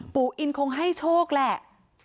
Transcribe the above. อินคงให้โชคแหละ